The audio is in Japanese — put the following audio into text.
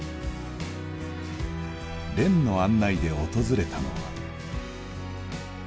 蓮の案内で訪れたのは。